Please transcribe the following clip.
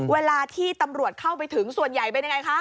เวลาที่ตำรวจเข้าไปถึงส่วนใหญ่เป็นยังไงคะ